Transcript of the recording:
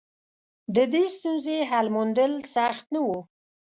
د دې ستونزې حل موندل سخت نه و.